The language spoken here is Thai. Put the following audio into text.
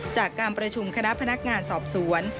จากการประชุมคณะพนักงานสอบสวน